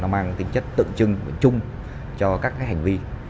mang tính chất tượng trưng chung cho các hành vi